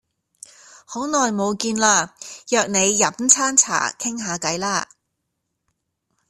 好耐冇見喇約你飲餐茶傾下計啦